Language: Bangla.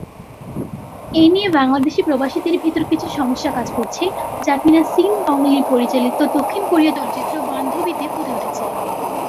এই নিয়ে বাংলাদেশি প্রবাসীদের ভিতর কিছু সমস্যা কাজ করছে, যা কিনা সিন দং-লি পরিচালিত দক্ষিণ কোরিয় চলচ্চিত্র "বান্ধবী"তে ফুটে উঠেছে।